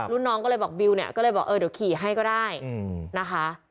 น้องก็เลยบอกบิวเนี่ยก็เลยบอกเออเดี๋ยวขี่ให้ก็ได้นะคะ